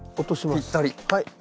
ぴったり！